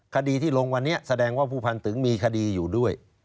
คดีที่ลงวันนี้แสดงว่าผู้พันตึงมีคดีอยู่ด้วย